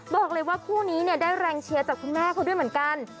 บอกเลยว่าคู่นี้เนี่ยได้แรงเชียร์จากคุณแม่เขาด้วยเหมือนกัน